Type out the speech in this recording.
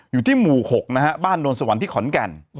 อยู่ที่หมู่๖บ้านนูรสวรรค์ที่ขลอนแก่น